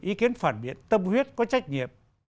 ý kiến phản biện tâm huyết có trách nhiệm